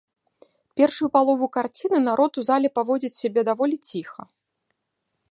Першую палову карціны народ у зале паводзіць сябе даволі ціха.